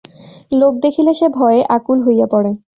লোক দেখিলে সে ভয়ে আকুল হইয়া পড়ে।